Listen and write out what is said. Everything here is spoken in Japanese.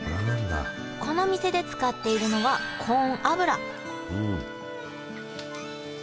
この店で使っているのはうん。